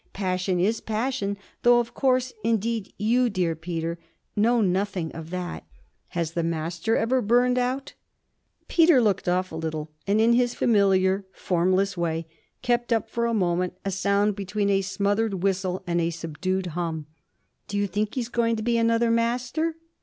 Passion is passion though of course indeed you, dear Peter, know nothing of that. Has the Master's ever burned out?' Peter looked off a little and, in his familiar formless way, kept up for a moment, a sound between a smothered whistle and a subdued hum. 'Do you think he's going to be another Master?'